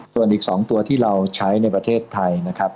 ส่วนอีก๒ตัวที่เราใช้ในประเทศไทยนะครับ